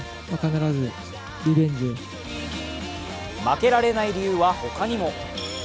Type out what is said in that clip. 負けられない理由は他にも。